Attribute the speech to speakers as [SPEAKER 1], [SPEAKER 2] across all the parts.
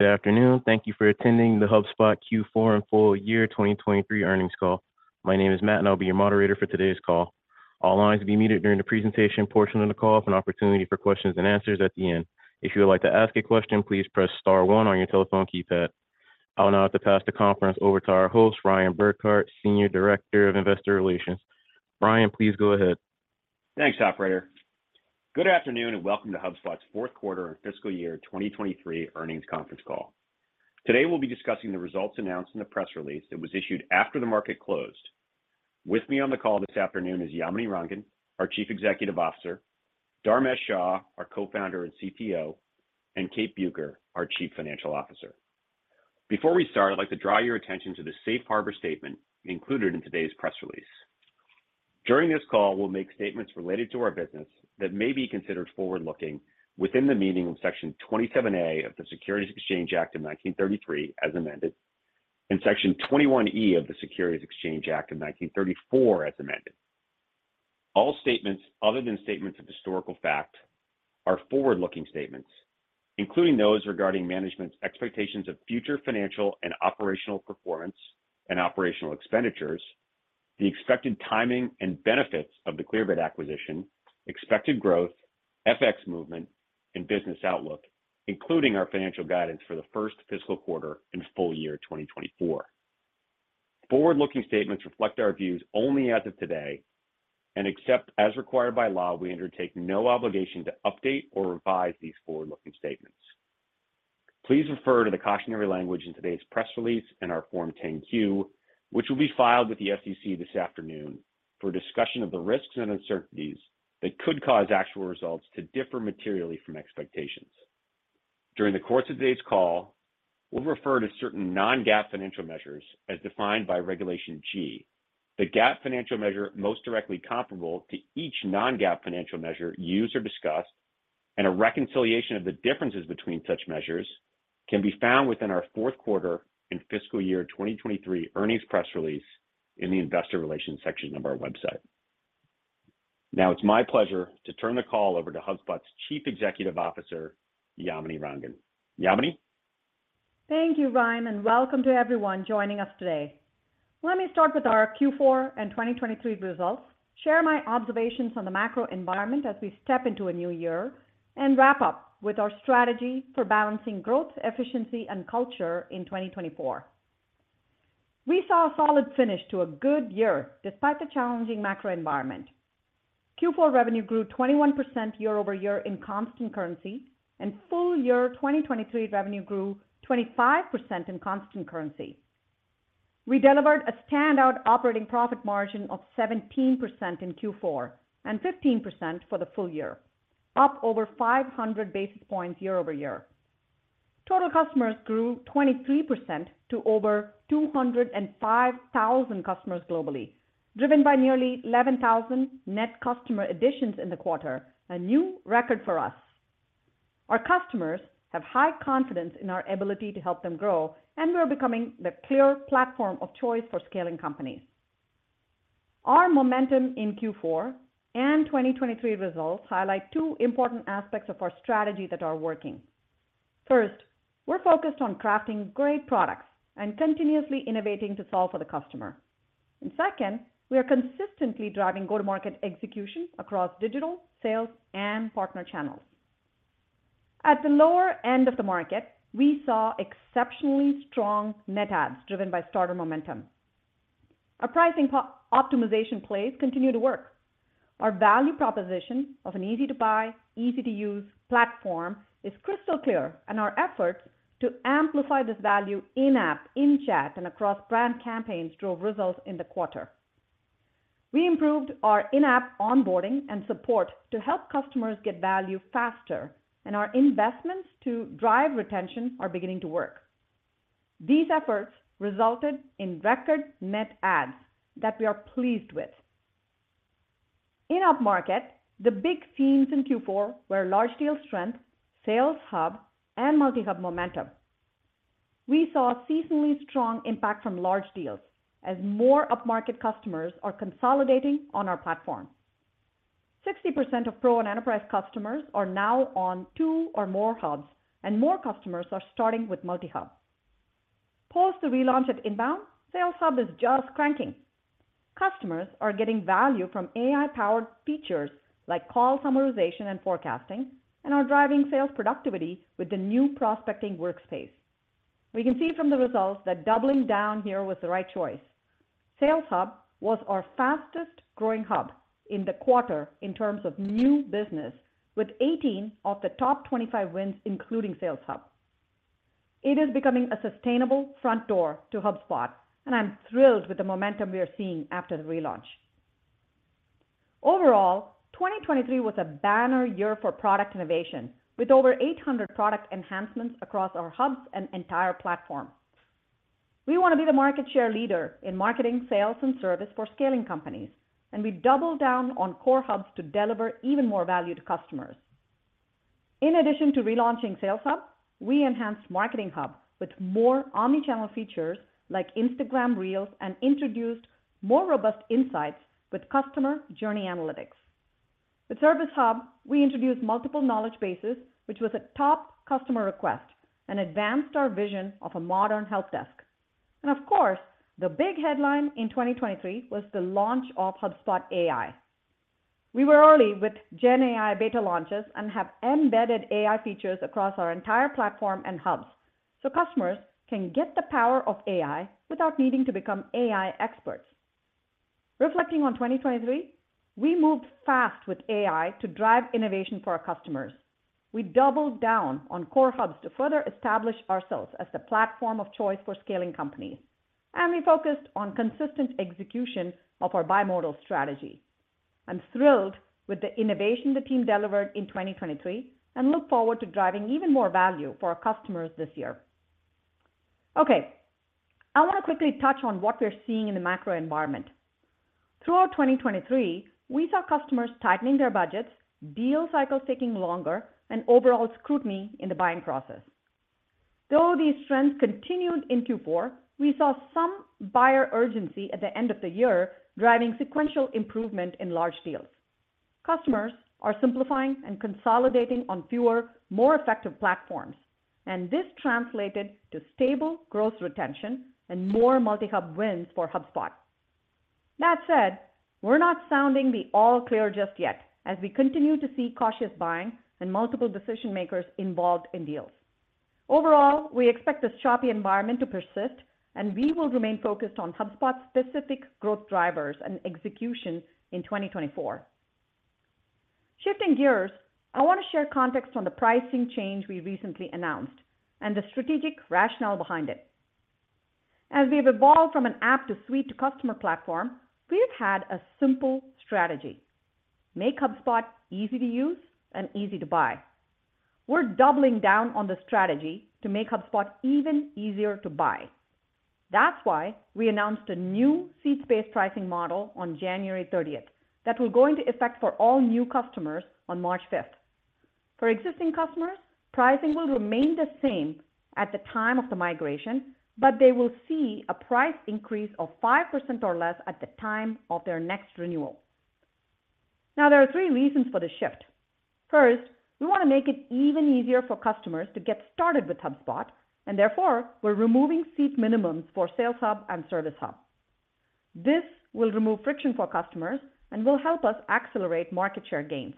[SPEAKER 1] Good afternoon. Thank you for attending the HubSpot Q4 and full year 2023 earnings call. My name is Matt, and I'll be your moderator for today's call. All lines will be muted during the presentation portion of the call with an opportunity for questions and answers at the end. If you would like to ask a question, please press * one on your telephone keypad. I'll now have to pass the conference over to our host, Ryan Burke, Senior Director of Investor Relations. Ryan, please go ahead.
[SPEAKER 2] Thanks, operator. Good afternoon, and welcome to HubSpot's fourth quarter and fiscal year 2023 earnings conference call. Today, we'll be discussing the results announced in the press release that was issued after the market closed. With me on the call this afternoon is Yamini Rangan, our Chief Executive Officer, Dharmesh Shah, our Co-Founder and CPO, and Kate Bueker, our Chief Financial Officer. Before we start, I'd like to draw your attention to the safe harbor statement included in today's press release. During this call, we'll make statements related to our business that may be considered forward-looking within the meaning of Section 27A of the Securities Exchange Act of 1933, as amended, and Section 21E of the Securities Exchange Act of 1934, as amended. All statements other than statements of historical fact are forward-looking statements, including those regarding management's expectations of future financial and operational performance and operational expenditures, the expected timing and benefits of the Clearbit acquisition, expected growth, FX movement, and business outlook, including our financial guidance for the first fiscal quarter and full year 2024. Forward-looking statements reflect our views only as of today, and except as required by law, we undertake no obligation to update or revise these forward-looking statements. Please refer to the cautionary language in today's press release and our Form 10-Q, which will be filed with the SEC this afternoon, for a discussion of the risks and uncertainties that could cause actual results to differ materially from expectations. During the course of today's call, we'll refer to certain non-GAAP financial measures as defined by Regulation G. The GAAP financial measure most directly comparable to each non-GAAP financial measure used or discussed and a reconciliation of the differences between such measures can be found within our fourth quarter and fiscal year 2023 earnings press release in the Investor Relations section of our website. Now it's my pleasure to turn the call over to HubSpot's Chief Executive Officer, Yamini Rangan. Yamini?
[SPEAKER 3] Thank you, Ryan, and welcome to everyone joining us today. Let me start with our Q4 and 2023 results, share my observations on the macro environment as we step into a new year, and wrap up with our strategy for balancing growth, efficiency, and culture in 2024. We saw a solid finish to a good year despite the challenging macro environment. Q4 revenue grew 21% year-over-year in constant currency, and full-year 2023 revenue grew 25% in constant currency. We delivered a standout operating profit margin of 17% in Q4 and 15% for the full year, up over 500 basis points year-over-year. Total customers grew 23% to over 205,000 customers globally, driven by nearly 11,000 net customer additions in the quarter, a new record for us. Our customers have high confidence in our ability to help them grow, and we are becoming the clear platform of choice for scaling companies. Our momentum in Q4 and 2023 results highlight two important aspects of our strategy that are working. First, we're focused on crafting great products and continuously innovating to solve for the customer. And second, we are consistently driving go-to-market execution across digital, sales, and partner channels. At the lower end of the market, we saw exceptionally strong net adds, driven by Starter momentum. Our pricing optimization plays continue to work. Our value proposition of an easy-to-buy, easy-to-use platform is crystal clear, and our efforts to amplify this value in-app, in-chat, and across brand campaigns drove results in the quarter. We improved our in-app onboarding and support to help customers get value faster, and our investments to drive retention are beginning to work. These efforts resulted in record net adds that we are pleased with. In upmarket, the big themes in Q4 were large deal strength, Sales Hub, and Multi-Hub momentum. We saw a seasonally strong impact from large deals as more upmarket customers are consolidating on our platform. 60% of Pro and Enterprise customers are now on two or more hubs, and more customers are starting with Multi-Hub. Post the relaunch at INBOUND, Sales Hub is just cranking. Customers are getting value from AI-powered features like call summarization and forecasting and are driving sales productivity with the new prospecting workspace. We can see from the results that doubling down here was the right choice. Sales Hub was our fastest-growing hub in the quarter in terms of new business, with 18 of the top 25 wins, including Sales Hub. It is becoming a sustainable front door to HubSpot, and I'm thrilled with the momentum we are seeing after the relaunch. Overall, 2023 was a banner year for product innovation, with over 800 product enhancements across our hubs and entire platform. We want to be the market share leader in marketing, sales, and service for scaling companies, and we've doubled down on core hubs to deliver even more value to customers. In addition to relaunching Sales Hub, we enhanced Marketing Hub with more omni-channel features like Instagram Reels and introduced more robust insights with customer journey analytics.... With Service Hub, we introduced multiple knowledge bases, which was a top customer request and advanced our vision of a modern help desk. And of course, the big headline in 2023 was the launch of HubSpot AI. We were early with GenAI beta launches and have embedded AI features across our entire platform and hubs, so customers can get the power of AI without needing to become AI experts. Reflecting on 2023, we moved fast with AI to drive innovation for our customers. We doubled down on core hubs to further establish ourselves as the platform of choice for scaling companies, and we focused on consistent execution of our bimodal strategy. I'm thrilled with the innovation the team delivered in 2023 and look forward to driving even more value for our customers this year. Okay, I want to quickly touch on what we're seeing in the macro environment. Throughout 2023, we saw customers tightening their budgets, deal cycles taking longer, and overall scrutiny in the buying process. Though these trends continued in Q4, we saw some buyer urgency at the end of the year, driving sequential improvement in large deals. Customers are simplifying and consolidating on fewer, more effective platforms, and this translated to stable growth retention and more multi-hub wins for HubSpot. That said, we're not sounding the all clear just yet, as we continue to see cautious buying and multiple decision makers involved in deals. Overall, we expect this choppy environment to persist, and we will remain focused on HubSpot's specific growth drivers and execution in 2024. Shifting gears, I want to share context on the pricing change we recently announced and the strategic rationale behind it. As we've evolved from an app-to-suite to customer platform, we've had a simple strategy: make HubSpot easy to use and easy to buy. We're doubling down on the strategy to make HubSpot even easier to buy. That's why we announced a new seat-based pricing model on January 30th that will go into effect for all new customers on March 5th. For existing customers, pricing will remain the same at the time of the migration, but they will see a price increase of 5% or less at the time of their next renewal. Now, there are three reasons for this shift. First, we want to make it even easier for customers to get started with HubSpot, and therefore, we're removing seat minimums for Sales Hub and Service Hub. This will remove friction for customers and will help us accelerate market share gains.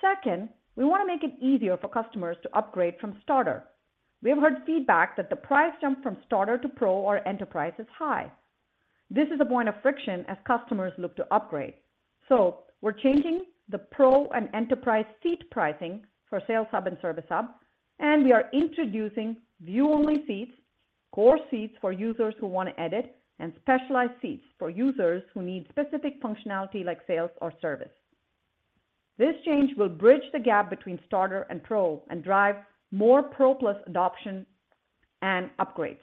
[SPEAKER 3] Second, we want to make it easier for customers to upgrade from Starter. We have heard feedback that the price jump from Starter to Pro or Enterprise is high. This is a point of friction as customers look to upgrade. So we're changing the Pro and Enterprise seat pricing for Sales Hub and Service Hub, and we are introducing view-only seats, Core Seats for users who want to edit, and specialized seats for users who need specific functionality, like sales or service. This change will bridge the gap between Starter and Pro and drive more Pro plus adoption and upgrades.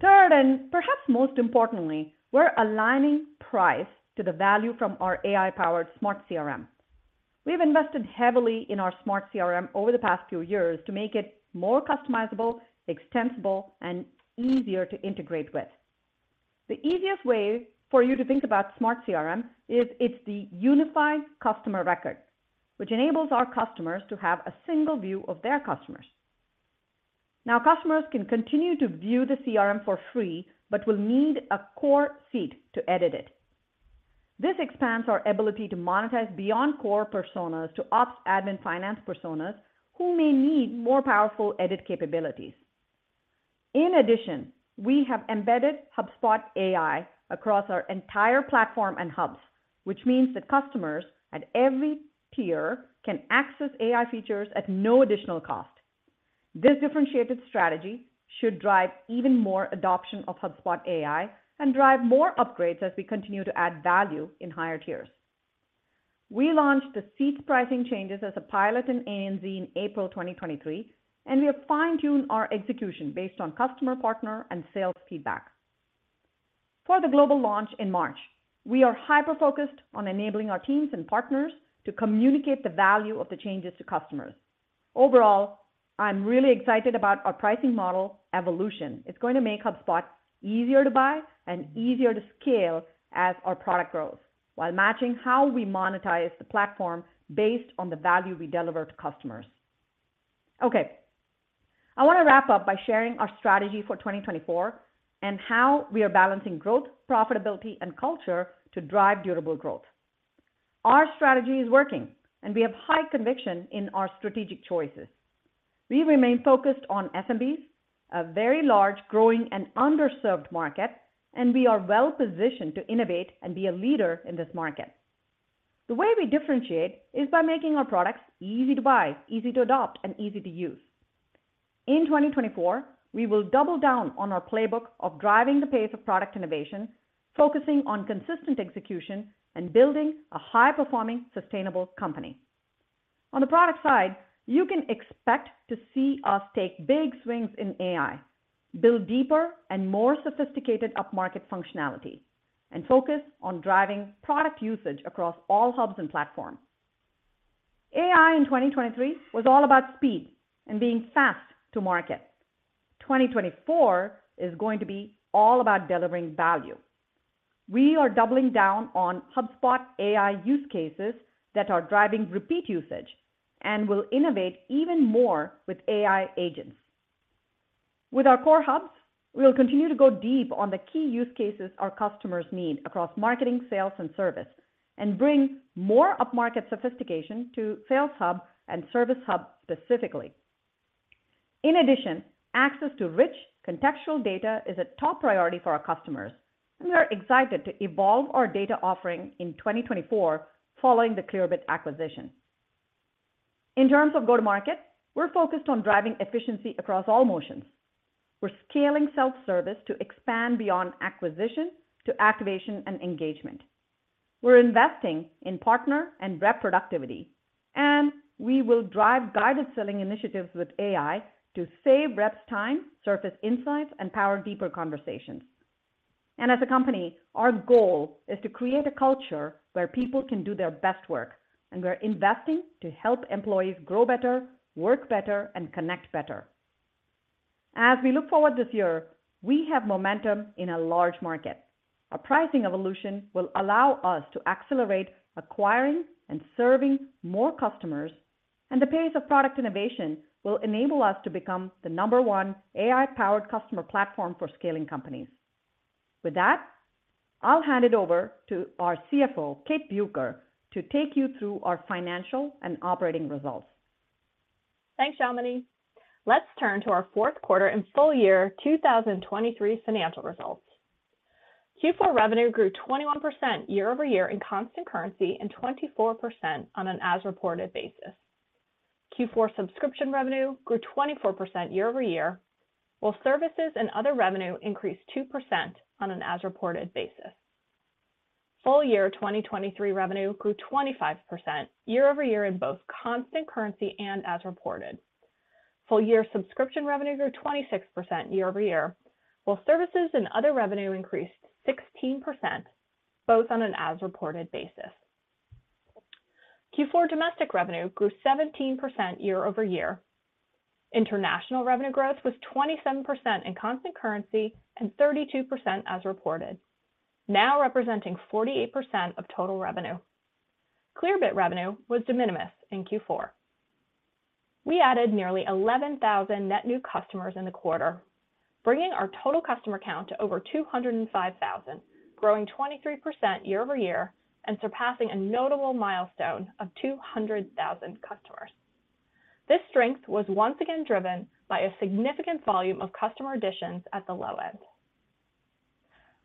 [SPEAKER 3] Third, and perhaps most importantly, we're aligning price to the value from our AI-powered Smart CRM. We've invested heavily in our Smart CRM over the past few years to make it more customizable, extensible, and easier to integrate with. The easiest way for you to think about Smart CRM is it's the unified customer record, which enables our customers to have a single view of their customers. Now, customers can continue to view the CRM for free, but will need a Core Seat to edit it. This expands our ability to monetize beyond core personas to ops, admin, finance personas, who may need more powerful edit capabilities. In addition, we have embedded HubSpot AI across our entire platform and hubs, which means that customers at every tier can access AI features at no additional cost. This differentiated strategy should drive even more adoption of HubSpot AI and drive more upgrades as we continue to add value in higher tiers. We launched the seat pricing changes as a pilot in ANZ in April 2023, and we have fine-tuned our execution based on customer, partner, and sales feedback. For the global launch in March, we are hyper-focused on enabling our teams and partners to communicate the value of the changes to customers. Overall, I'm really excited about our pricing model evolution. It's going to make HubSpot easier to buy and easier to scale as our product grows, while matching how we monetize the platform based on the value we deliver to customers. Okay, I want to wrap up by sharing our strategy for 2024 and how we are balancing growth, profitability, and culture to drive durable growth. Our strategy is working, and we have high conviction in our strategic choices. We remain focused on SMBs, a very large, growing, and underserved market, and we are well positioned to innovate and be a leader in this market. The way we differentiate is by making our products easy to buy, easy to adopt, and easy to use. In 2024, we will double down on our playbook of driving the pace of product innovation, focusing on consistent execution, and building a high-performing, sustainable company. On the product side, you can expect to see us take big swings in AI, build deeper and more sophisticated upmarket functionality, and focus on driving product usage across all hubs and platforms. AI in 2023 was all about speed and being fast to market. 2024 is going to be all about delivering value. We are doubling down on HubSpot AI use cases that are driving repeat usage and will innovate even more with AI agents. With our core hubs, we'll continue to go deep on the key use cases our customers need across marketing, sales, and service, and bring more upmarket sophistication to Sales Hub and Service Hub specifically. In addition, access to rich contextual data is a top priority for our customers, and we are excited to evolve our data offering in 2024 following the Clearbit acquisition. In terms of go-to-market, we're focused on driving efficiency across all motions. We're scaling self-service to expand beyond acquisition to activation and engagement. We're investing in partner and rep productivity, and we will drive guided selling initiatives with AI to save reps time, surface insights, and power deeper conversations. As a company, our goal is to create a culture where people can do their best work, and we're investing to help employees grow better, work better, and connect better. As we look forward this year, we have momentum in a large market. Our pricing evolution will allow us to accelerate acquiring and serving more customers, and the pace of product innovation will enable us to become the number one AI-powered customer platform for scaling companies. With that, I'll hand it over to our CFO, Kate Bueker, to take you through our financial and operating results.
[SPEAKER 4] Thanks, Yamini. Let's turn to our fourth quarter and full year 2023 financial results. Q4 revenue grew 21% year over year in constant currency and 24% on an as-reported basis. Q4 subscription revenue grew 24% year over year, while services and other revenue increased 2% on an as-reported basis. Full year 2023 revenue grew 25% year over year in both constant currency and as reported. Full year subscription revenue grew 26% year over year, while services and other revenue increased 16%, both on an as-reported basis. Q4 domestic revenue grew 17% year over year. International revenue growth was 27% in constant currency and 32% as reported, now representing 48% of total revenue. Clearbit revenue was de minimis in Q4. We added nearly 11,000 net new customers in the quarter, bringing our total customer count to over 205,000, growing 23% year-over-year and surpassing a notable milestone of 200,000 customers. This strength was once again driven by a significant volume of customer additions at the low end.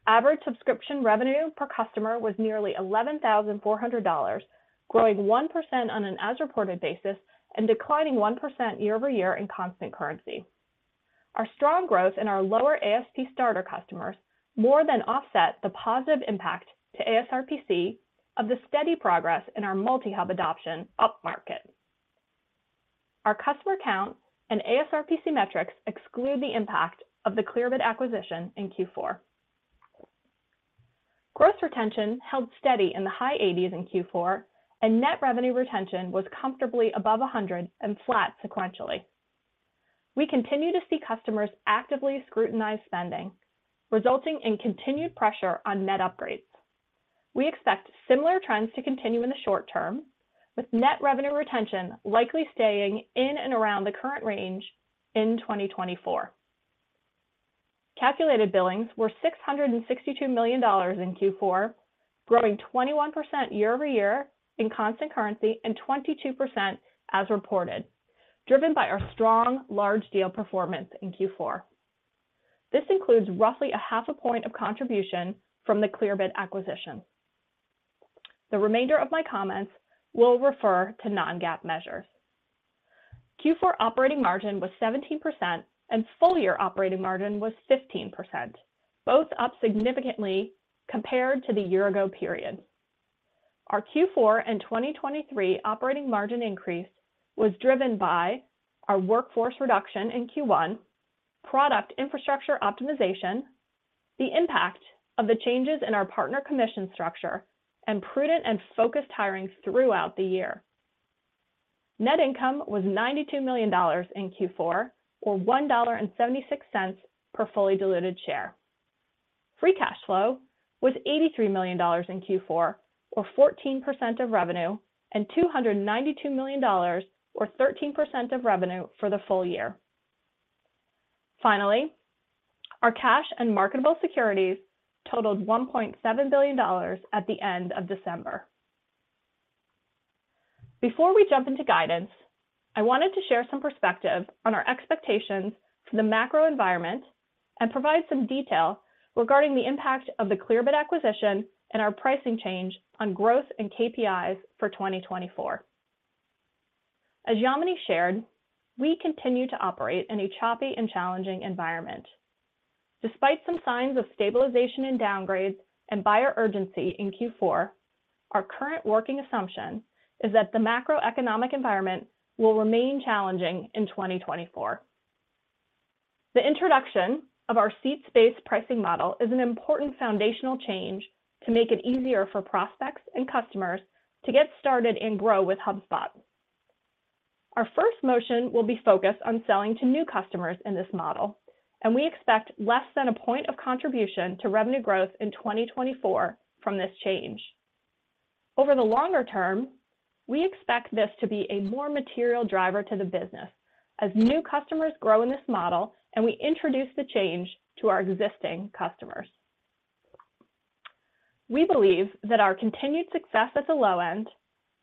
[SPEAKER 4] Average subscription revenue per customer was nearly $11,400, growing 1% on an as-reported basis and declining 1% year-over-year in constant currency. Our strong growth in our lower ASP Starter customers more than offset the positive impact to ASRPC of the steady progress in our multi-hub adoption upmarket. Our customer count and ASRPC metrics exclude the impact of the Clearbit acquisition in Q4. Growth retention held steady in the high 80s in Q4, and net revenue retention was comfortably above 100 and flat sequentially. We continue to see customers actively scrutinize spending, resulting in continued pressure on net upgrades. We expect similar trends to continue in the short term, with net revenue retention likely staying in and around the current range in 2024. Calculated billings were $662 million in Q4, growing 21% year-over-year in constant currency and 22% as reported, driven by our strong large deal performance in Q4. This includes roughly a half a point of contribution from the Clearbit acquisition. The remainder of my comments will refer to non-GAAP measures. Q4 operating margin was 17%, and full-year operating margin was 15%, both up significantly compared to the year-ago period. Our Q4 and 2023 operating margin increase was driven by our workforce reduction in Q1, product infrastructure optimization, the impact of the changes in our partner commission structure, and prudent and focused hiring throughout the year. Net income was $92 million in Q4, or $1.76 per fully diluted share. Free cash flow was $83 million in Q4, or 14% of revenue, and $292 million, or 13% of revenue, for the full year. Finally, our cash and marketable securities totaled $1.7 billion at the end of December. Before we jump into guidance, I wanted to share some perspective on our expectations for the macro environment and provide some detail regarding the impact of the Clearbit acquisition and our pricing change on growth and KPIs for 2024. As Yamini shared, we continue to operate in a choppy and challenging environment. Despite some signs of stabilization in downgrades and buyer urgency in Q4, our current working assumption is that the macroeconomic environment will remain challenging in 2024. The introduction of our seat-based pricing model is an important foundational change to make it easier for prospects and customers to get started and grow with HubSpot. Our first motion will be focused on selling to new customers in this model, and we expect less than a point of contribution to revenue growth in 2024 from this change. Over the longer term, we expect this to be a more material driver to the business as new customers grow in this model and we introduce the change to our existing customers. We believe that our continued success at the low end,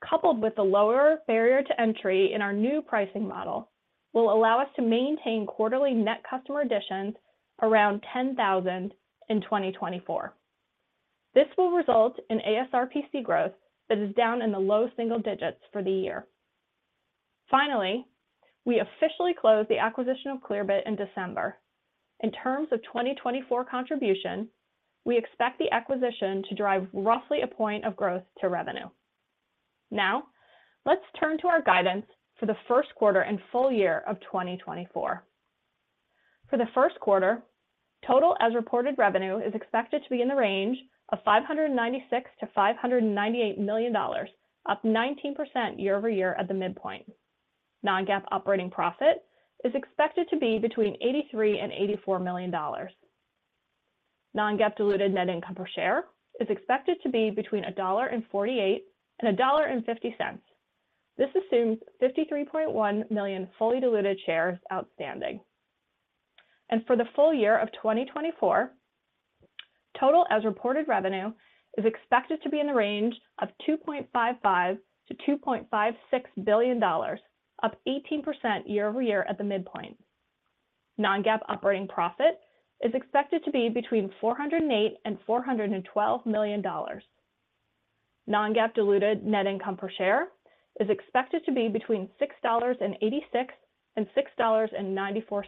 [SPEAKER 4] coupled with the lower barrier to entry in our new pricing model, will allow us to maintain quarterly net customer additions around 10,000 in 2024. This will result in ASRPC growth that is down in the low single digits for the year. Finally, we officially closed the acquisition of Clearbit in December. In terms of 2024 contribution, we expect the acquisition to drive roughly a point of growth to revenue. Now, let's turn to our guidance for the first quarter and full year of 2024. For the first quarter, total as reported revenue is expected to be in the range of $596 million-$598 million, up 19% year-over-year at the midpoint. Non-GAAP operating profit is expected to be between $83 million-$84 million. Non-GAAP diluted net income per share is expected to be between $1.48 and $1.50. This assumes 53.1 million fully diluted shares outstanding. For the full year of 2024, total as reported revenue is expected to be in the range of $2.55 billion-$2.56 billion, up 18% year-over-year at the midpoint. Non-GAAP operating profit is expected to be between $408 million and $412 million. Non-GAAP diluted net income per share is expected to be between $6.86 and $6.94.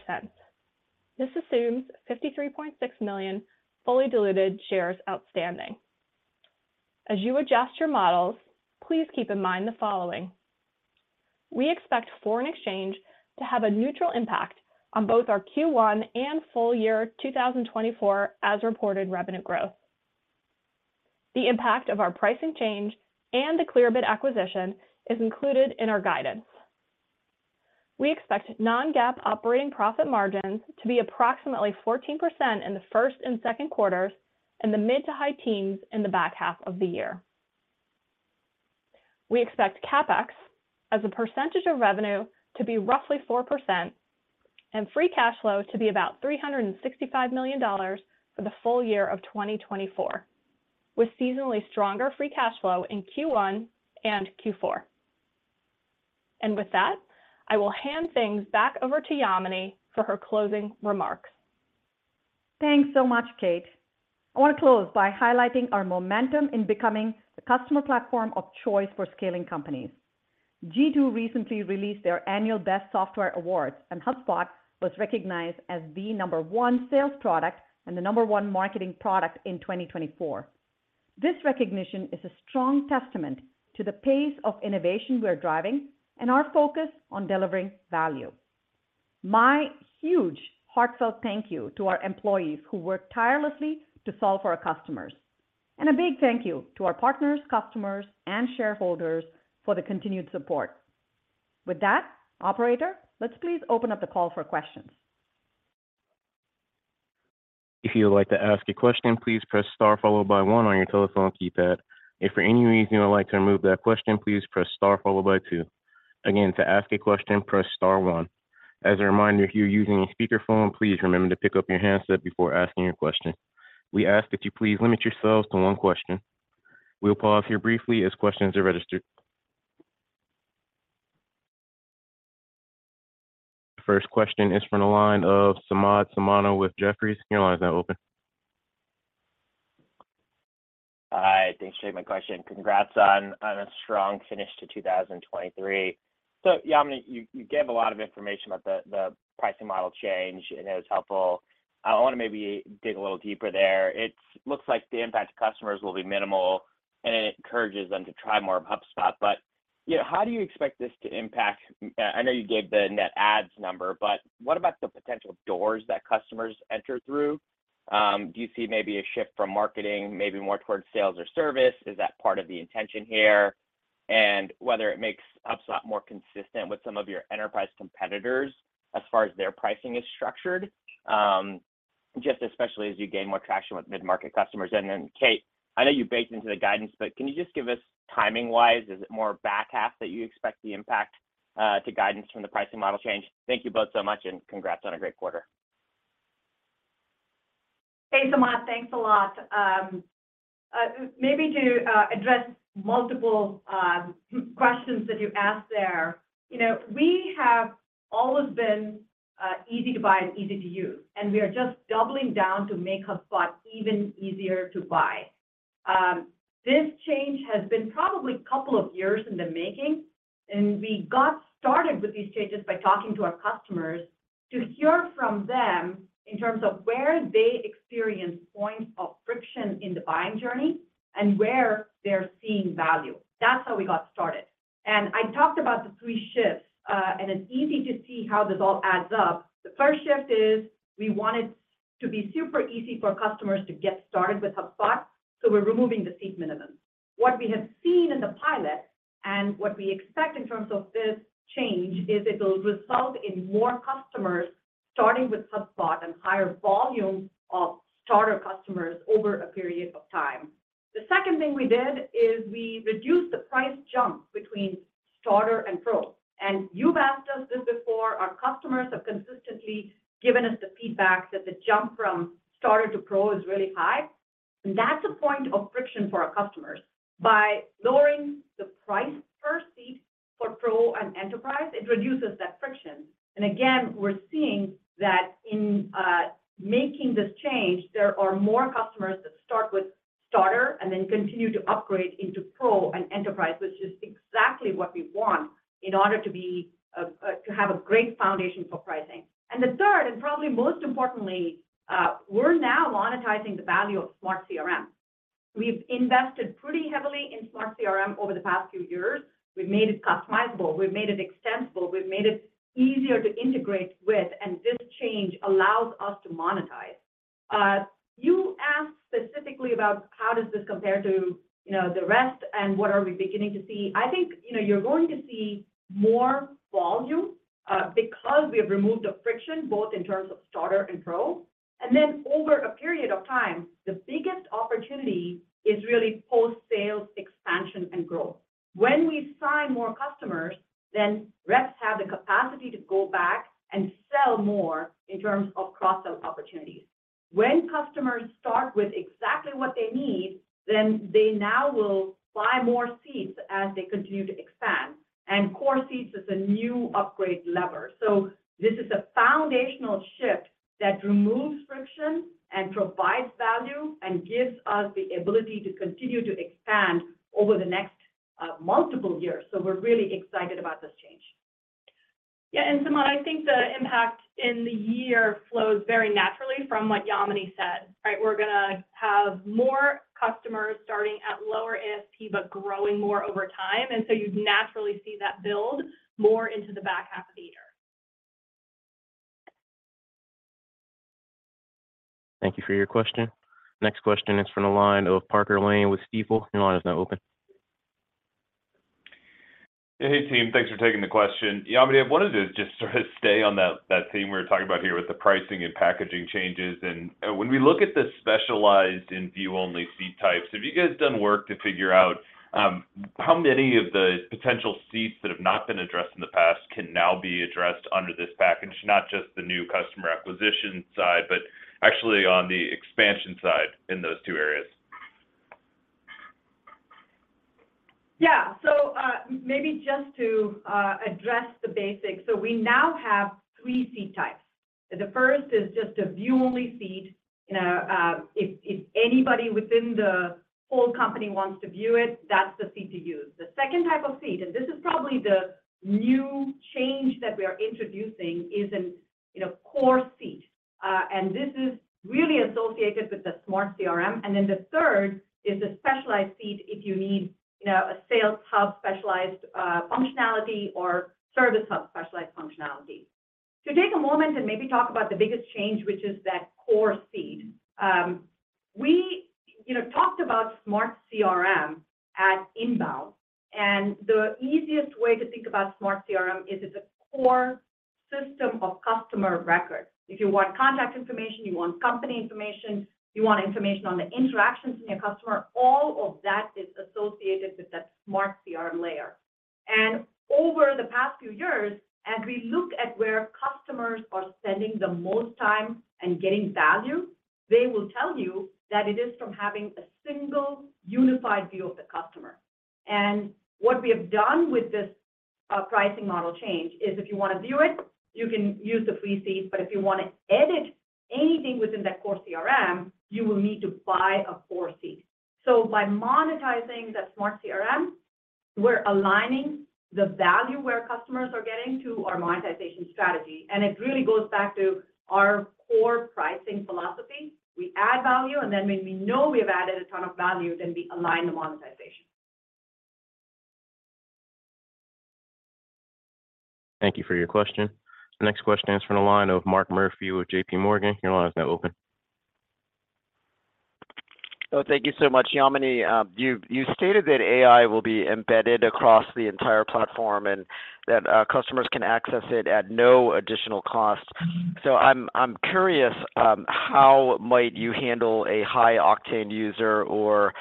[SPEAKER 4] This assumes 53.6 million fully diluted shares outstanding. As you adjust your models, please keep in mind the following: We expect foreign exchange to have a neutral impact on both our Q1 and full year 2024 as reported revenue growth. The impact of our pricing change and the Clearbit acquisition is included in our guidance. We expect non-GAAP operating profit margins to be approximately 14% in the first and second quarters, and the mid to high teens in the back half of the year. We expect CapEx as a percentage of revenue to be roughly 4% and free cash flow to be about $365 million for the full year of 2024, with seasonally stronger free cash flow in Q1 and Q4. And with that, I will hand things back over to Yamini for her closing remarks.
[SPEAKER 3] Thanks so much, Kate. I want to close by highlighting our momentum in becoming the customer platform of choice for scaling companies. G2 recently released their annual Best Software Awards, and HubSpot was recognized as the number one sales product and the number one marketing product in 2024. This recognition is a strong testament to the pace of innovation we are driving and our focus on delivering value. My huge heartfelt thank you to our employees who work tirelessly to solve for our customers. A big thank you to our partners, customers, and shareholders for the continued support. With that, operator, let's please open up the call for questions.
[SPEAKER 1] If you would like to ask a question, please press star followed by one on your telephone keypad. If for any reason you would like to remove that question, please press star followed by two. Again, to ask a question, press star one. As a reminder, if you're using a speakerphone, please remember to pick up your handset before asking your question. We ask that you please limit yourselves to one question. We'll pause here briefly as questions are registered. First question is from the line of Samad Samana with Jefferies. Your line is now open.
[SPEAKER 5] Hi, thanks for taking my question. Congrats on a strong finish to 2023. So Yamini, you gave a lot of information about the pricing model change, and it was helpful. I want to maybe dig a little deeper there. It looks like the impact to customers will be minimal, and it encourages them to try more of HubSpot. But you know, how do you expect this to impact... I know you gave the net adds number, but what about the potential doors that customers enter through? Do you see maybe a shift from marketing, maybe more towards sales or service? Is that part of the intention here? And whether it makes HubSpot more consistent with some of your Enterprise competitors as far as their pricing is structured, just especially as you gain more traction with mid-market customers. And then, Kate, I know you baked into the guidance, but can you just give us timing-wise, is it more back half that you expect the impact to guidance from the pricing model change? Thank you both so much, and congrats on a great quarter.
[SPEAKER 3] Hey, Samad, thanks a lot. Maybe to address multiple questions that you asked there. You know, we have always been easy to buy and easy to use, and we are just doubling down to make HubSpot even easier to buy. This change has been probably a couple of years in the making, and we got started with these changes by talking to our customers to hear from them in terms of where they experience points of friction in the buying journey and where they're seeing value. That's how we got started. I talked about the three shifts, and it's easy to see how this all adds up. The first shift is we want it to be super easy for customers to get started with HubSpot, so we're removing the seat minimum. What we have seen in the pilot, and what we expect in terms of this change, is it'll result in more customers starting with HubSpot and higher volumes of Starter customers over a period of time. The second thing we did is we reduced the price jump between Starter and Pro. You've asked us this before. Our customers have consistently given us the feedback that the jump from Starter to Pro is really high, and that's a point of friction for our customers. By lowering the price per seat for Pro and Enterprise, it reduces that friction. And again, we're seeing that in making this change, there are more customers that start with Starter and then continue to upgrade into Pro and Enterprise, which is exactly what we want in order to be to have a great foundation for pricing. And the third, and probably most importantly, we're now monetizing the value of Smart CRM. We've invested pretty heavily in Smart CRM over the past few years. We've made it customizable, we've made it extensible, we've made it easier to integrate with, and this change allows us to monetize. You asked specifically about how does this compare to, you know, the rest, and what are we beginning to see? I think, you know, you're going to see more volume, because we have removed the friction, both in terms of Starter and Pro. And then, over a period of time, the biggest opportunity is really post-sales expansion and growth. When we sign more customers, then reps have the capacity to go back and sell more in terms of cross-sell opportunities. When customers start with exactly what they need, then they now will buy more seats as they continue to expand. And Core Seats is a new upgrade lever. So this is a foundational shift that removes friction and provides value, and gives us the ability to continue to expand over the next, multiple years. So we're really excited about this change.
[SPEAKER 4] Yeah, and Samad, I think the impact in the year flows very naturally from what Yamini said, right? We're gonna have more customers starting at lower ASP, but growing more over time, and so you'd naturally see that build more into the back half of the year.
[SPEAKER 1] Thank you for your question. Next question is from the line of Parker Lane with Stifel. Your line is now open.
[SPEAKER 6] Hey, team. Thanks for taking the question. Yamini, I wanted to just sort of stay on that, that theme we were talking about here with the pricing and packaging changes. When we look at the specialized and view-only seat types, have you guys done work to figure out, how many of the potential seats that have not been addressed in the past can now be addressed under this package? Not just the new customer acquisition side, but actually on the expansion side in those two areas.
[SPEAKER 3] Yeah. So, maybe just to address the basics, so we now have three seat types. The first is just a view-only seat. You know, if anybody within the whole company wants to view it, that's the seat to use. The second type of seat, and this is probably the new change that we are introducing, is a, you know, Core Seat. And this is really associated with the Smart CRM. And then the third is a specialized seat if you need, you know, a Sales Hub-specialized functionality or Service Hub-specialized functionality. To take a moment and maybe talk about the biggest change, which is that Core Seat. We, you know, talked about Smart CRM at INBOUND, and the easiest way to think about Smart CRM is it's a core system of customer records. If you want contact information, you want company information, you want information on the interactions with your customer, all of that is associated with that Smart CRM layer. And over the past few years, as we look at where customers are spending the most time and getting value, they will tell you that it is from having a single, unified view of the customer. And what we have done with this pricing model change is, if you want to view it, you can use the free seat. But if you want to edit anything within that core CRM, you will need to buy a Core Seat. So by monetizing that Smart CRM, we're aligning the value where customers are getting to our monetization strategy, and it really goes back to our core pricing philosophy. We add value, and then when we know we've added a ton of value, then we align the monetization.
[SPEAKER 1] Thank you for your question. The next question is from the line of Mark Murphy with J.P. Morgan. Your line is now open.
[SPEAKER 7] Oh, thank you so much. Yamini, you stated that AI will be embedded across the entire platform and that, customers can access it at no additional cost. So I'm curious, how might you handle a high-octane user or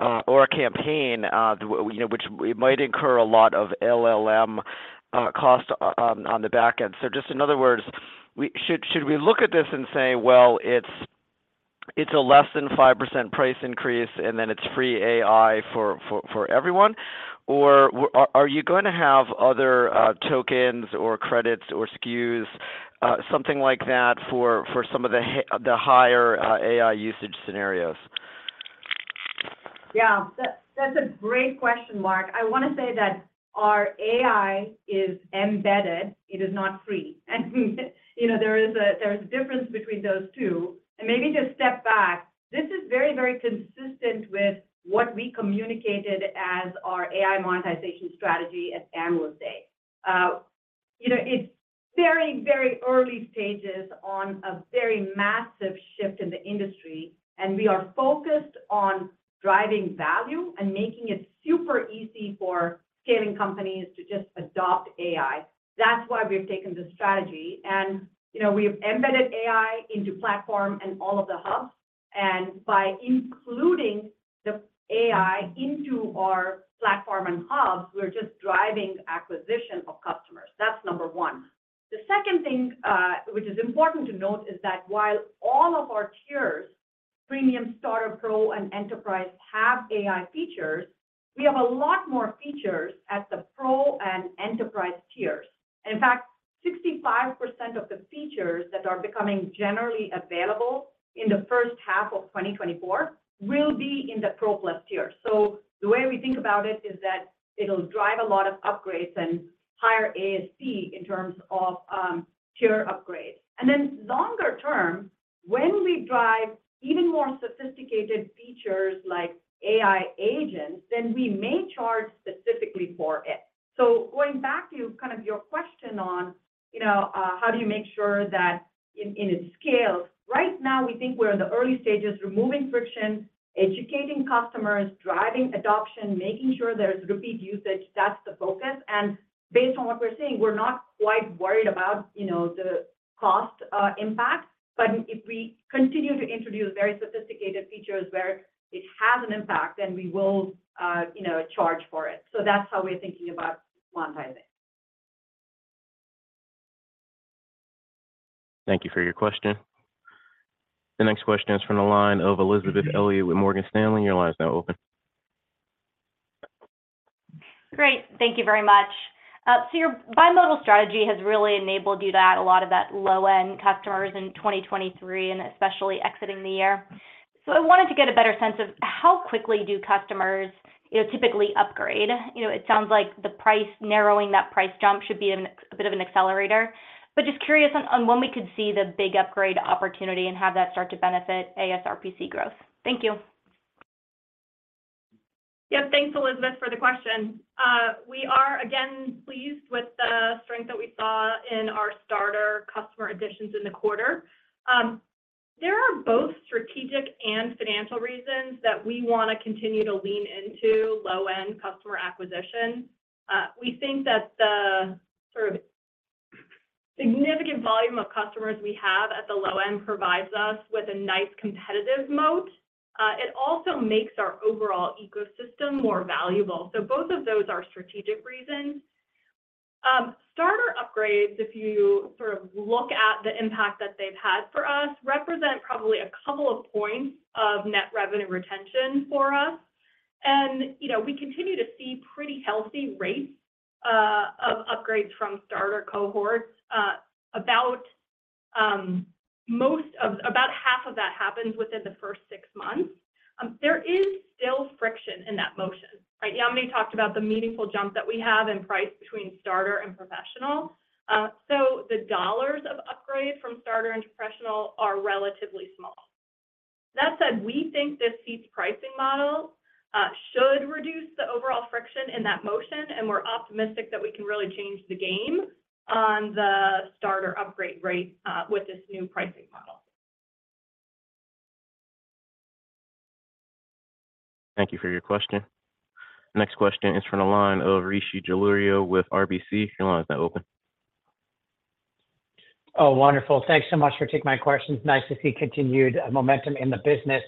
[SPEAKER 7] a campaign, you know, which we might incur a lot of LLM cost on the back end? So just in other words, should we look at this and say, "Well, it's a less than 5% price increase, and then it's free AI for everyone?" Or are you going to have other tokens or credits or SKUs, something like that, for some of the higher AI usage scenarios?
[SPEAKER 3] Yeah. That's a great question, Mark. I wanna say that our AI is embedded. It is not free. And, you know, there is a difference between those two. And maybe just step back, this is very, very consistent with what we communicated as our AI monetization strategy at Analyst Day. You know, it's very, very early stages on a very massive shift in the industry, and we are focused on driving value and making it super easy for scaling companies to just adopt AI. That's why we've taken this strategy, and, you know, we've embedded AI into platform and all of the hubs. And by including the AI into our platform and hubs, we're just driving acquisition of customers. That's number one. The second thing, which is important to note, is that while all of our tiers, Premium, Starter, Pro, and Enterprise, have AI features, we have a lot more features at the Pro and Enterprise tiers. In fact, 65% of the features that are becoming generally available in the first half of 2024 will be in the Pro Plus tier. So the way we think about it is that it'll drive a lot of upgrades and higher ASP in terms of, tier upgrades. And then longer term, when we drive even more sophisticated features like AI agents, then we may charge specifically for it. So going back to kind of your question on, you know, how do you make sure that in it's scaled? Right now, we think we're in the early stages, removing friction, educating customers, driving adoption, making sure there's repeat usage. That's the focus, and based on what we're seeing, we're not quite worried about, you know, the cost, impact. But if we continue to introduce very sophisticated features where it has an impact, then we will, you know, charge for it. So that's how we're thinking about monetizing.
[SPEAKER 1] Thank you for your question. The next question is from the line of Elizabeth Elliott with Morgan Stanley. Your line is now open.
[SPEAKER 8] Great. Thank you very much. So your bimodal strategy has really enabled you to add a lot of that low-end customers in 2023, and especially exiting the year. So I wanted to get a better sense of how quickly do customers, you know, typically upgrade. You know, it sounds like the price narrowing that price jump should be a bit of an accelerator. But just curious on when we could see the big upgrade opportunity and have that start to benefit ASRPC growth. Thank you.
[SPEAKER 4] Yeah, thanks, Elizabeth, for the question. We are again pleased with the strength that we saw in our Starter customer additions in the quarter. There are both strategic and financial reasons that we wanna continue to lean into low-end customer acquisition. We think that the sort of significant volume of customers we have at the low end provides us with a nice competitive moat. It also makes our overall ecosystem more valuable. So both of those are strategic reasons. Starter upgrades, if you sort of look at the impact that they've had for us, represent probably a couple of points of Net Revenue Retention for us. You know, we continue to see pretty healthy rates of upgrades from Starter cohorts. About half of that happens within the first six months. There is still friction in that motion, right? Yamini talked about the meaningful jump that we have in price between Starter and professional. So the dollars of upgrade from Starter into professional are relatively small. That said, we think this seats pricing model should reduce the overall friction in that motion, and we're optimistic that we can really change the game on the Starter upgrade rate with this new pricing model.
[SPEAKER 1] Thank you for your question. Next question is from the line of Rishi Jaluria with RBC. Your line is now open.
[SPEAKER 9] Oh, wonderful. Thanks so much for taking my questions. Nice to see continued momentum in the business.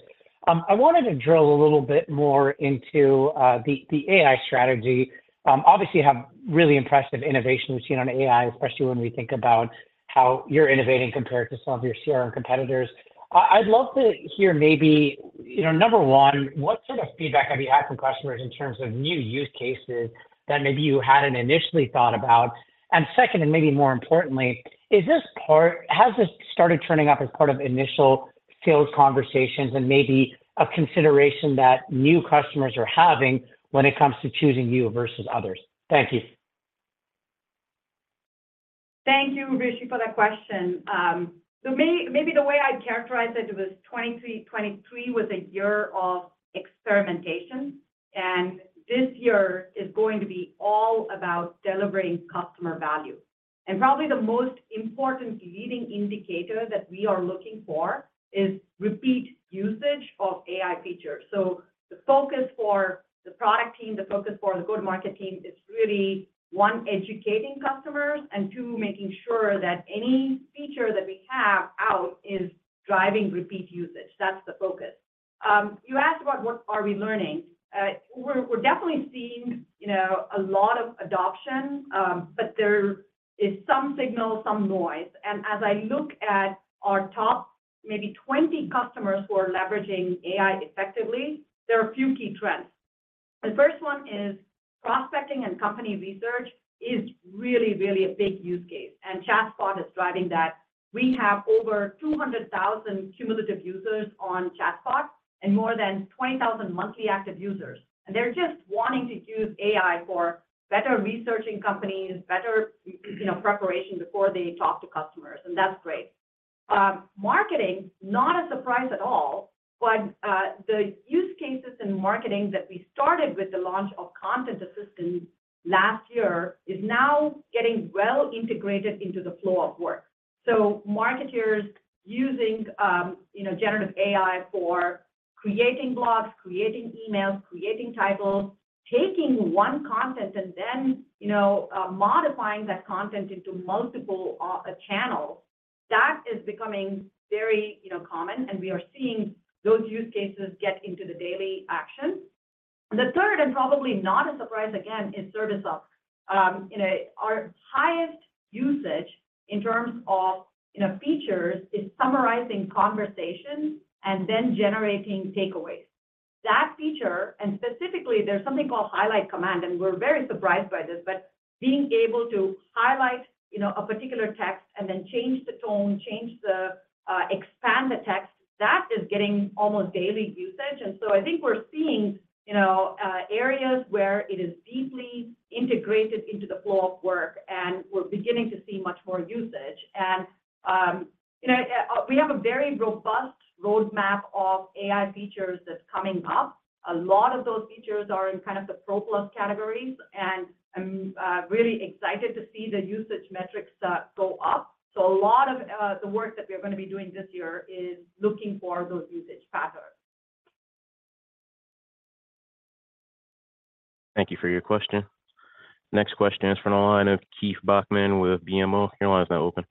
[SPEAKER 9] I wanted to drill a little bit more into the AI strategy. Obviously, you have really impressive innovation we've seen on AI, especially when we think about how you're innovating compared to some of your CRM competitors. I'd love to hear maybe, you know, number one, what sort of feedback have you had from customers in terms of new use cases that maybe you hadn't initially thought about? And second, and maybe more importantly, is this part—has this started turning up as part of initial sales conversations and maybe a consideration that new customers are having when it comes to choosing you versus others? Thank you.
[SPEAKER 3] Thank you, Rishi, for that question. So maybe the way I'd characterize it was 2023 was a year of experimentation, and this year is going to be all about delivering customer value. And probably the most important leading indicator that we are looking for is repeat usage of AI features. So the focus for the product team, the focus for the go-to-market team, is really, one, educating customers, and two, making sure that any feature that we have out is driving repeat usage. That's the focus. You asked about what are we learning? We're definitely seeing, you know, a lot of adoption, but there is some signal, some noise. And as I look at our top, maybe 20 customers who are leveraging AI effectively, there are a few key trends. The first one is prospecting and company research is really, really a big use case, and ChatSpot is driving that. We have over 200,000 cumulative users on ChatSpot and more than 20,000 monthly active users. And they're just wanting to use AI for better researching companies, better, you know, preparation before they talk to customers, and that's great. Marketing, not a surprise at all, but the use cases in marketing that we started with the launch of Content Assistant last year is now getting well integrated into the flow of work. So marketers using, you know, generative AI for creating blogs, creating emails, creating titles, taking one content and then, you know, modifying that content into multiple channels, that is becoming very, you know, common, and we are seeing those use cases get into the daily action. The third, and probably not a surprise again, is Service Hub. You know, our highest usage in terms of, you know, features is summarizing conversations and then generating takeaways. That feature, and specifically, there's something called Highlight Command, and we're very surprised by this, but being able to highlight, you know, a particular text and then change the tone, change the, expand the text, that is getting almost daily usage. And so I think we're seeing, you know, areas where it is deeply integrated into the flow of work, and we're beginning to see much more usage. You know, we have a very robust roadmap of AI features that's coming up. A lot of those features are in kind of the Pro plus categories, and I'm really excited to see the usage metrics go up. So a lot of the work that we are gonna be doing this year is looking for those usage patterns.
[SPEAKER 1] Thank you for your question. Next question is from the line of Keith Bachman with BMO. Your line is now open.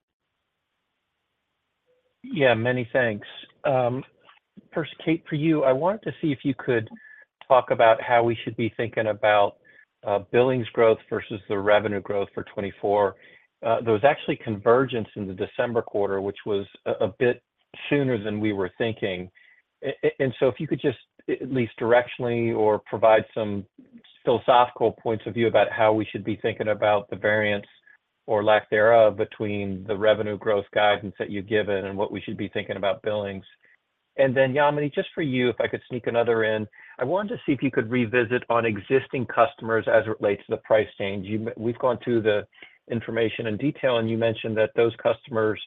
[SPEAKER 10] Yeah, many thanks. First, Kate, for you, I wanted to see if you could talk about how we should be thinking about billings growth versus the revenue growth for 2024. There was actually convergence in the December quarter, which was a bit sooner than we were thinking. And so if you could just, at least directionally or provide some philosophical points of view about how we should be thinking about the variance or lack thereof, between the revenue growth guidance that you've given and what we should be thinking about billings. And then, Yamini, just for you, if I could sneak another in. I wanted to see if you could revisit on existing customers as it relates to the price change. We've gone through the information in detail, and you mentioned that those customers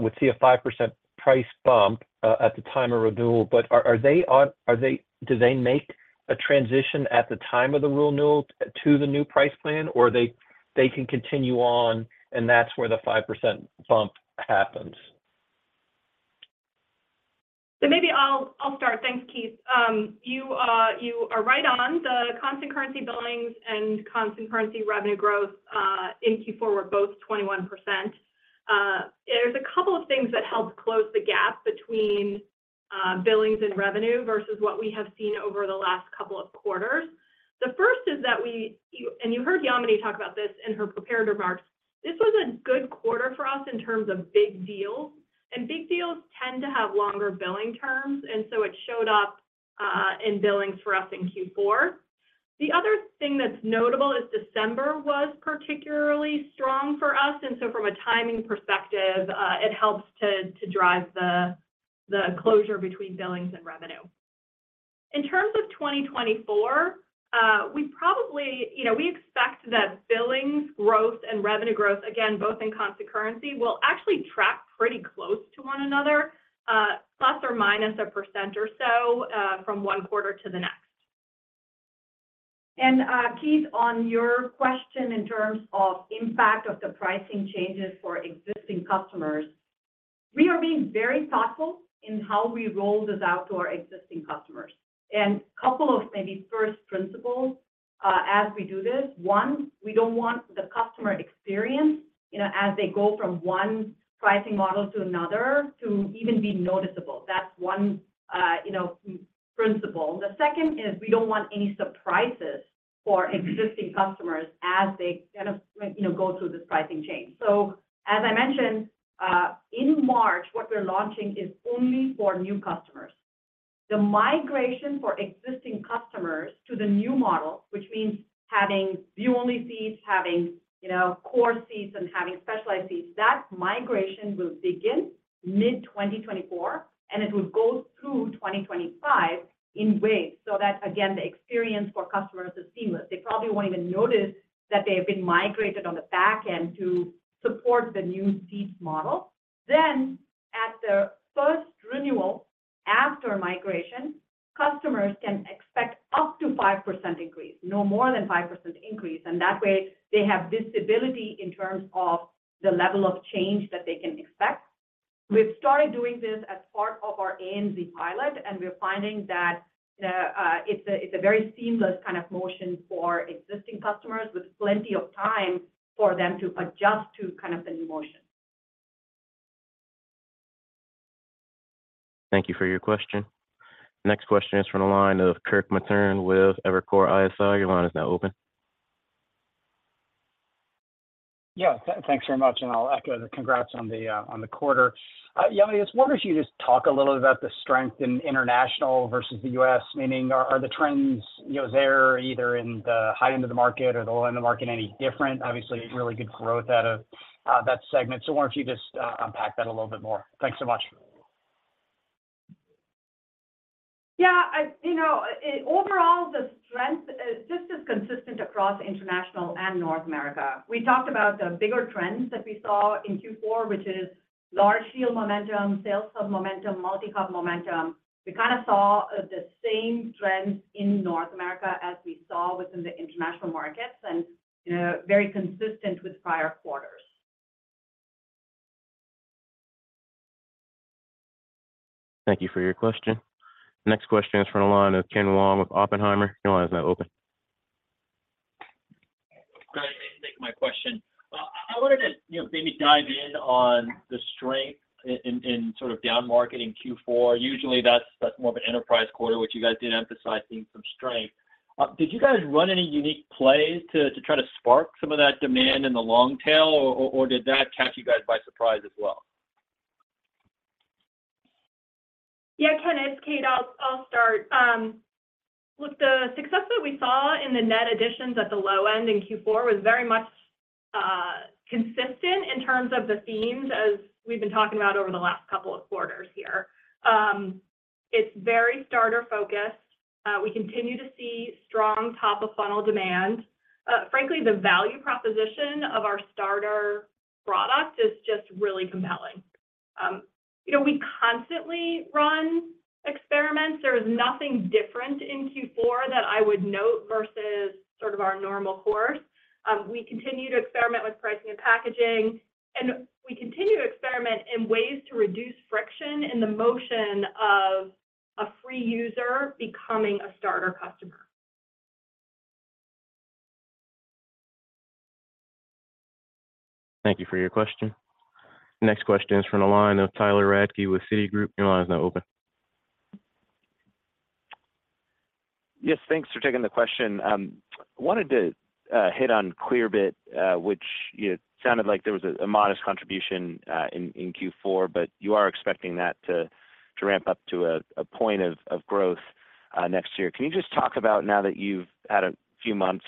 [SPEAKER 10] would see a 5% price bump at the time of renewal. But do they make a transition at the time of the renewal to the new price plan, or can they continue on, and that's where the 5% bump happens?
[SPEAKER 4] Maybe I'll start. Thanks, Keith. You are right on. The Constant Currency billings and Constant Currency revenue growth in Q4 were both 21%. There's a couple of things that helped close the gap between billings and revenue versus what we have seen over the last couple of quarters. The first is that we... And you heard Yamini talk about this in her prepared remarks, this was a good quarter for us in terms of big deals, and big deals tend to have longer billing terms, and so it showed up in billings for us in Q4. The other thing that's notable is December was particularly strong for us, and so from a timing perspective, it helps to drive the closure between billings and revenue. In terms of 2024, we probably, you know, we expect that billings growth and revenue growth, again, both in constant currency, will actually track pretty close to one another, ±1% or so, from one quarter to the next.
[SPEAKER 3] Keith, on your question in terms of impact of the pricing changes for existing customers, we are being very thoughtful in how we roll this out to our existing customers. A couple of maybe first principles as we do this: one, we don't want the customer experience, you know, as they go from one pricing model to another, to even be noticeable. That's one, you know, principle. The second is we don't want any surprises for existing customers as they kind of, you know, go through this pricing change. As I mentioned, in March, what we're launching is only for new customers. The migration for existing customers to the new model, which means having view-only seats, having, you know, Core Seats, and having specialized seats, that migration will begin mid-2024, and it will go through 2025 in waves. So that, again, the experience for customers is seamless. They probably won't even notice that they have been migrated on the back end to support the new seats model. Then, at the first renewal after migration, customers can expect up to 5% increase, no more than 5% increase, and that way, they have visibility in terms of the level of change that they can expect. We've started doing this as part of our ANZ pilot, and we're finding that it's a very seamless kind of motion for existing customers with plenty of time for them to adjust to kind of the new motion.
[SPEAKER 1] Thank you for your question. Next question is from the line of Kirk Materne with Evercore ISI. Your line is now open.
[SPEAKER 11] Yeah, thanks very much, and I'll echo the congrats on the quarter. Yamini, I was wondering if you could just talk a little about the strength in international versus the U.S. Meaning, are the trends, you know, there, either in the high end of the market or the low end of the market, any different? Obviously, really good growth out of that segment. So I wonder if you just unpack that a little bit more. Thanks so much. ...
[SPEAKER 3] Yeah, you know, overall, the strength is just as consistent across international and North America. We talked about the bigger trends that we saw in Q4, which is large deal momentum, Sales Hub momentum, multi-hub momentum. We kind of saw the same trends in North America as we saw within the international markets, and, you know, very consistent with prior quarters.
[SPEAKER 1] Thank you for your question. Next question is from the line of Ken Wong with Oppenheimer. Your line is now open.
[SPEAKER 12] Great, thanks for taking my question. I wanted to, you know, maybe dive in on the strength in sort of down market in Q4. Usually, that's more of an Enterprise quarter, which you guys did emphasize seeing some strength. Did you guys run any unique plays to try to spark some of that demand in the long tail, or did that catch you guys by surprise as well?
[SPEAKER 4] Yeah, Ken, it's Kate. I'll start. Look, the success that we saw in the net additions at the low end in Q4 was very much consistent in terms of the themes as we've been talking about over the last couple of quarters here. It's very Starter focused. We continue to see strong top-of-funnel demand. Frankly, the value proposition of our Starter product is just really compelling. You know, we constantly run experiments. There was nothing different in Q4 that I would note versus sort of our normal course. We continue to experiment with pricing and packaging, and we continue to experiment in ways to reduce friction in the motion of a free user becoming a Starter customer.
[SPEAKER 1] Thank you for your question. Next question is from the line of Tyler Radke with Citigroup. Your line is now open.
[SPEAKER 13] Yes, thanks for taking the question. Wanted to hit on Clearbit, which, you know, sounded like there was a modest contribution in Q4, but you are expecting that to ramp up to a point of growth next year. Can you just talk about now that you've had a few months,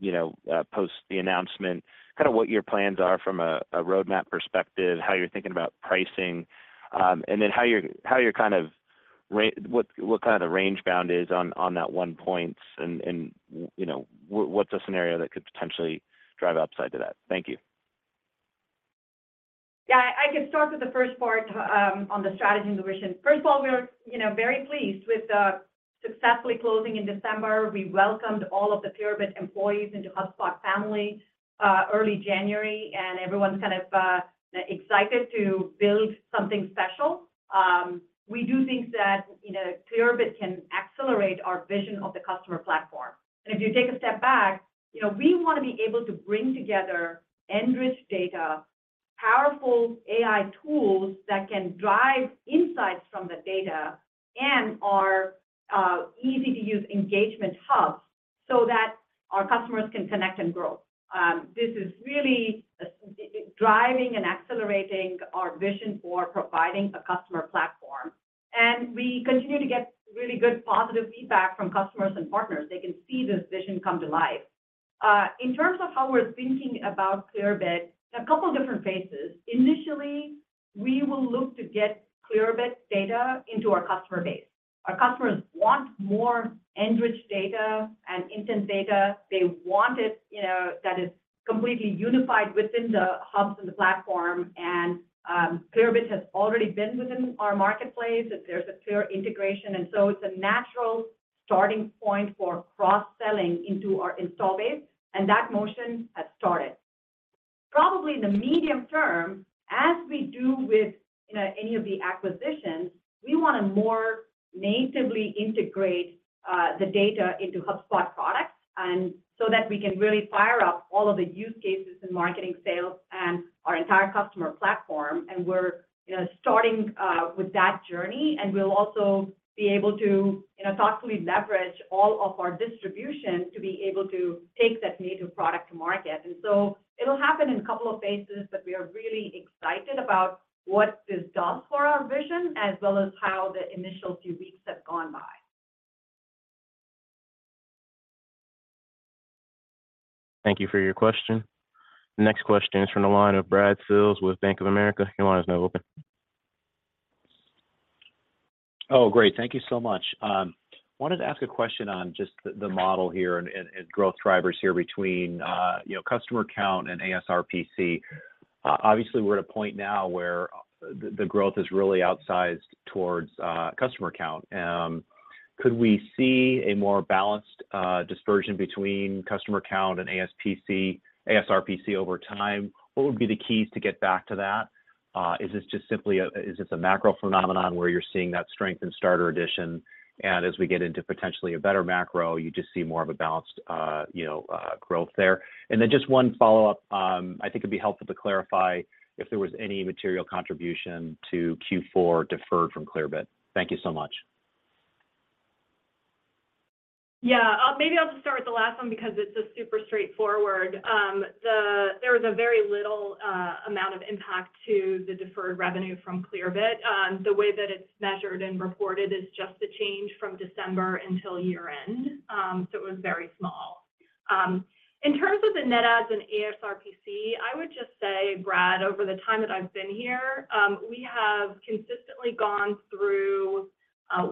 [SPEAKER 13] you know, post the announcement, kind of what your plans are from a roadmap perspective, how you're thinking about pricing, and then how you're kind of what kind of the range bound is on that one point, and, you know, what's a scenario that could potentially drive upside to that? Thank you.
[SPEAKER 3] Yeah, I can start with the first part, on the strategy and the vision. First of all, we are, you know, very pleased with, successfully closing in December. We welcomed all of the Clearbit employees into HubSpot family, early January, and everyone's kind of, excited to build something special. We do think that, you know, Clearbit can accelerate our vision of the customer platform. And if you take a step back, you know, we want to be able to bring together enriched data, powerful AI tools that can drive insights from the data and are, easy-to-use engagement hubs so that our customers can connect and grow. This is really, driving and accelerating our vision for providing a customer platform, and we continue to get really good, positive feedback from customers and partners. They can see this vision come to life. In terms of how we're thinking about Clearbit, a couple different phases. Initially, we will look to get Clearbit's data into our customer base. Our customers want more enriched data and intent data. They want it, you know, that is completely unified within the hubs and the platform, and Clearbit has already been within our marketplace, that there's a clear integration. And so it's a natural starting point for cross-selling into our install base, and that motion has started. Probably in the medium term, as we do with, you know, any of the acquisitions, we want to more natively integrate the data into HubSpot products, and so that we can really fire up all of the use cases in marketing sales and our entire customer platform. We're, you know, starting with that journey, and we'll also be able to, you know, thoughtfully leverage all of our distribution to be able to take that native product to market. And so it'll happen in a couple of phases, but we are really excited about what this does for our vision, as well as how the initial few weeks have gone by.
[SPEAKER 1] Thank you for your question. Next question is from the line of Brad Sills with Bank of America. Your line is now open.
[SPEAKER 14] Oh, great. Thank you so much. Wanted to ask a question on just the model here and growth drivers here between, you know, customer count and ASRPC. Obviously, we're at a point now where the growth is really outsized towards customer count. Could we see a more balanced dispersion between customer count and ASRPC over time? What would be the keys to get back to that? Is this just simply a macro phenomenon, where you're seeing that strength in Starter edition, and as we get into potentially a better macro, you just see more of a balanced, you know, growth there? And then just one follow-up. I think it'd be helpful to clarify if there was any material contribution to Q4 deferred from Clearbit. Thank you so much.
[SPEAKER 4] Yeah. Maybe I'll just start with the last one because it's just super straightforward. There was a very little amount of impact to the deferred revenue from Clearbit. The way that it's measured and reported is just the change from December until year-end. So it was very small. In terms of the net adds and ASRPC, I would just say, Brad, over the time that I've been here, we have consistently gone through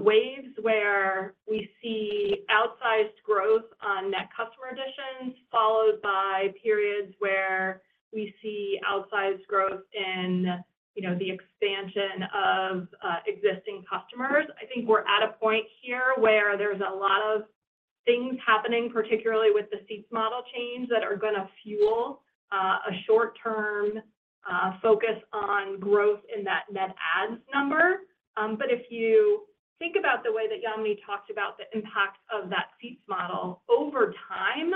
[SPEAKER 4] waves where we see outsized growth on net customer additions, followed by periods where we see outsized growth in, you know, the expansion of existing customers. I think we're at a point here where there's a lot of things happening, particularly with the seats model change, that are gonna fuel a short-term focus on growth in that net adds number. If you think about the way that Yamini talked about the impact of that seats model, over time,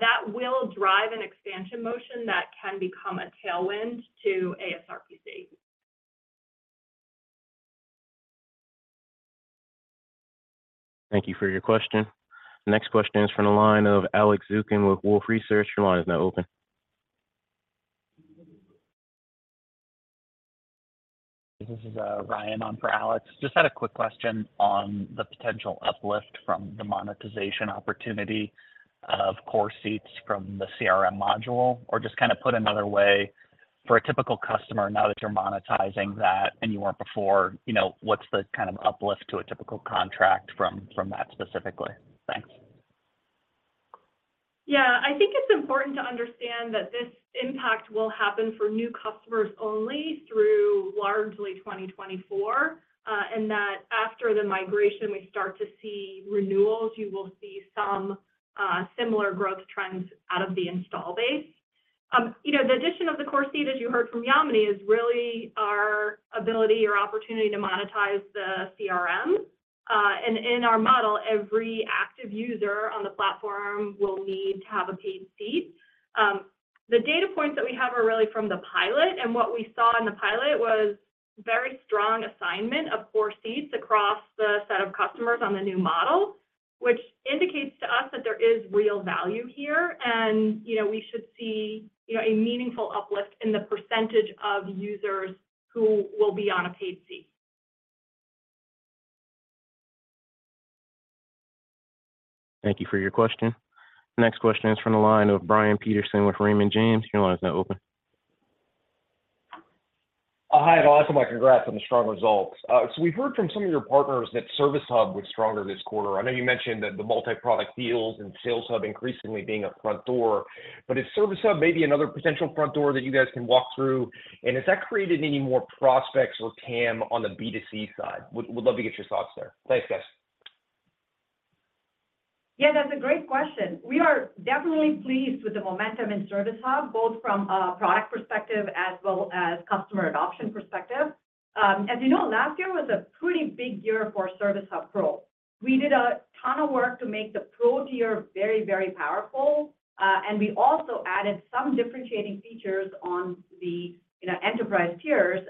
[SPEAKER 4] that will drive an expansion motion that can become a tailwind to ASRPC.
[SPEAKER 1] Thank you for your question. The next question is from the line of Alex Zukin with Wolfe Research. Your line is now open.
[SPEAKER 15] This is, Ryan on for Alex. Just had a quick question on the potential uplift from the monetization opportunity of Core Seats from the CRM module, or just kind of put another way, for a typical customer, now that you're monetizing that and you weren't before, you know, what's the kind of uplift to a typical contract from that specifically? Thanks.
[SPEAKER 4] Yeah. I think it's important to understand that this impact will happen for new customers only through largely 2024. And that after the migration, we start to see renewals. You will see some similar growth trends out of the install base. You know, the addition of the Core Seat, as you heard from Yamini, is really our ability or opportunity to monetize the CRM. And in our model, every active user on the platform will need to have a paid seat. The data points that we have are really from the pilot, and what we saw in the pilot was very strong assignment of Core Seats across the set of customers on the new model, which indicates to us that there is real value here. You know, we should see, you know, a meaningful uplift in the percentage of users who will be on a paid seat.
[SPEAKER 1] Thank you for your question. The next question is from the line of Brian Peterson with Raymond James. Your line is now open.
[SPEAKER 16] Hi, and also my congrats on the strong results. So we've heard from some of your partners that Service Hub was stronger this quarter. I know you mentioned that the multi-product deals and Sales Hub increasingly being a front door, but is Service Hub maybe another potential front door that you guys can walk through? And has that created any more prospects or TAM on the B2C side? Would, would love to get your thoughts there. Thanks, guys.
[SPEAKER 3] Yeah, that's a great question. We are definitely pleased with the momentum in Service Hub, both from a product perspective as well as customer adoption perspective. As you know, last year was a pretty big year for Service Hub Pro. We did a ton of work to make the Pro tier very, very powerful, and we also added some differentiating features on the, you know, Enterprise tiers.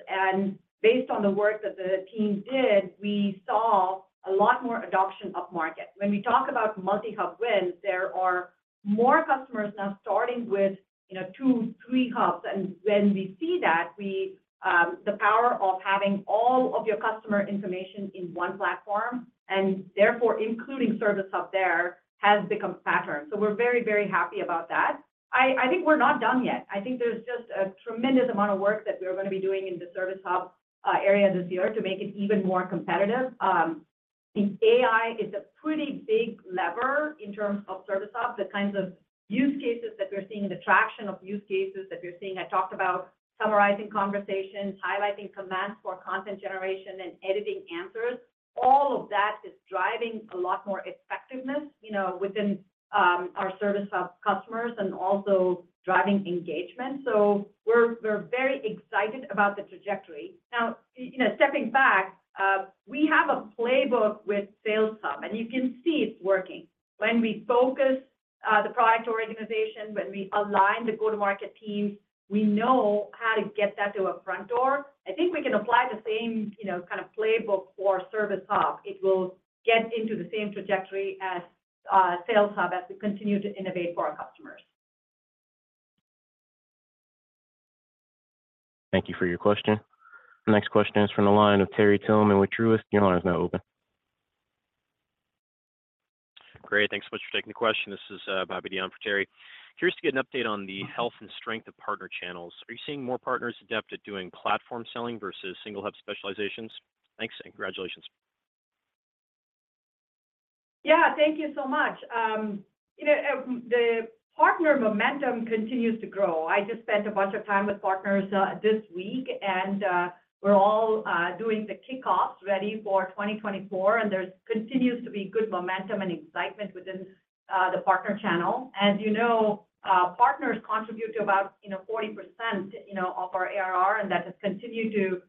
[SPEAKER 3] Based on the work that the team did, we saw a lot more adoption upmarket. When we talk about multi-hub wins, there are more customers now starting with, you know, two, three hubs. When we see that, we, the power of having all of your customer information in one platform, and therefore, including Service Hub there, has become pattern. So we're very, very happy about that. I think we're not done yet. I think there's just a tremendous amount of work that we're gonna be doing in the Service Hub area this year to make it even more competitive. I think AI is a pretty big lever in terms of Service Hub. The kinds of use cases that we're seeing and the traction of use cases that we're seeing, I talked about summarizing conversations, highlighting commands for content generation, and editing answers. All of that is driving a lot more effectiveness, you know, within our Service Hub customers and also driving engagement. So we're very excited about the trajectory. Now, you know, stepping back, we have a playbook with Sales Hub, and you can see it's working. When we focus the product organization, when we align the go-to-market teams, we know how to get that to a front door. I think we can apply the same, you know, kind of playbook for Service Hub. It will get into the same trajectory as Sales Hub, as we continue to innovate for our customers.
[SPEAKER 1] Thank you for your question. The next question is from the line of Terry Tillman with Truist. Your line is now open.
[SPEAKER 17] Great. Thanks so much for taking the question. This is Bobby Derham for Terry. Curious to get an update on the health and strength of partner channels. Are you seeing more partners adept at doing platform selling versus single hub specializations? Thanks, and congratulations.
[SPEAKER 3] Yeah. Thank you so much. You know, the partner momentum continues to grow. I just spent a bunch of time with partners, this week, and we're all doing the kickoffs, ready for 2024, and there's continues to be good momentum and excitement within the partner channel. As you know, partners contribute to about, you know, 40% of our ARR, and that has continued to,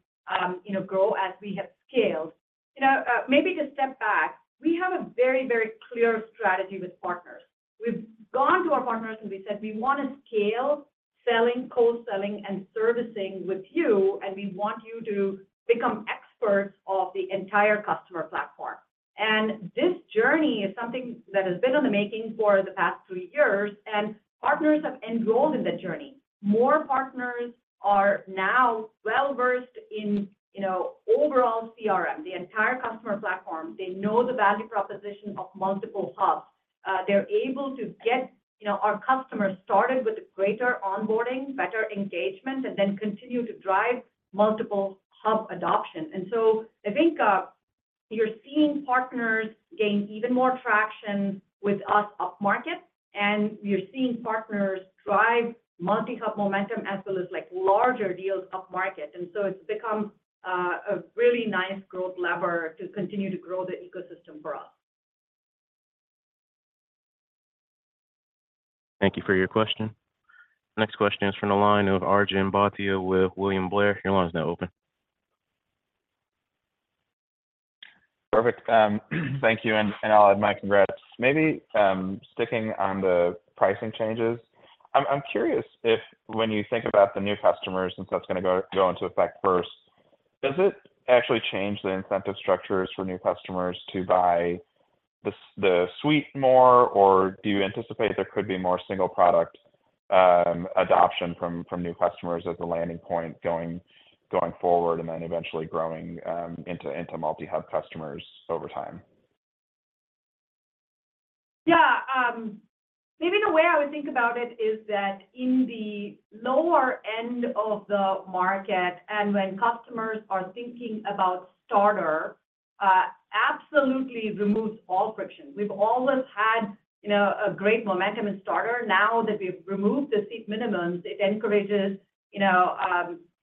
[SPEAKER 3] you know, grow as we have scaled. You know, maybe to step back, we have a very, very clear strategy with partners. We've gone to our partners, and we said: "We wanna scale, selling, co-selling, and servicing with you, and we want you to become experts of the entire customer platform." And this journey is something that has been in the making for the past three years, and partners have enrolled in the journey. More partners are now well-versed in, you know, overall CRM, the entire customer platform. They know the value proposition of multiple hubs.... they're able to get, you know, our customers started with a greater onboarding, better engagement, and then continue to drive multiple hub adoption. And so I think, you're seeing partners gain even more traction with us upmarket, and you're seeing partners drive multi-hub momentum as well as, like, larger deals upmarket. And so it's become, a really nice growth lever to continue to grow the ecosystem for us.
[SPEAKER 1] Thank you for your question. Next question is from the line of Arjun Bhatia with William Blair. Your line is now open.
[SPEAKER 18] Perfect. Thank you, and I'll add my congrats. Maybe sticking on the pricing changes, I'm curious if when you think about the new customers, since that's gonna go into effect first, does it actually change the incentive structures for new customers to buy the suite more? Or do you anticipate there could be more single product adoption from new customers as the landing point going forward, and then eventually growing into multi-hub customers over time?
[SPEAKER 3] Yeah. Maybe the way I would think about it is that in the lower end of the market, and when customers are thinking about Starter, absolutely removes all friction. We've always had, you know, a great momentum in Starter. Now that we've removed the seat minimums, it encourages, you know,